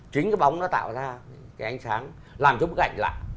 chính cái bóng nó tạo ra cái ánh sáng làm cho bức ảnh lạ